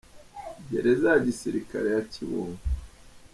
– Gereza ya gisilikali ya Kibungo,